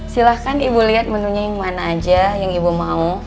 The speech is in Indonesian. silahkan ibu lihat menunya yang mana aja yang ibu mau